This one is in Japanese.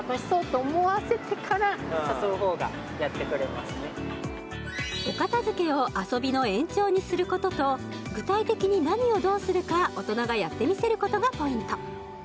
うまいねそうですねお片付けを遊びの延長にすることと具体的に何をどうするか大人がやって見せることがポイント